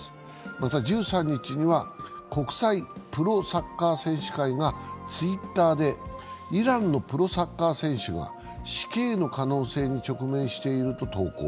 また、１３日には国際プロサッカー選手会がＴｗｉｔｔｅｒでイランのプロサッカー選手が死刑の可能性に直面していると投稿。